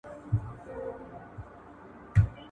د پرښتو معلمه آدم عليه السلام و.